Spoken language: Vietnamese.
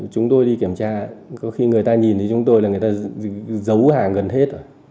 chúng tôi đi kiểm tra có khi người ta nhìn thì chúng tôi là người ta giấu hàng gần hết rồi